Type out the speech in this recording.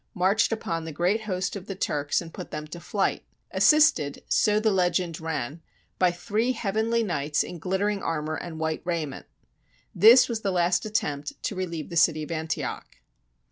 " marched upon the great host of the Turks and put them to flight, assisted, so the legend ran, by three heavenly knights in glittering ar mour and white raiment. This was the last attempt to relieve the city of Antioch.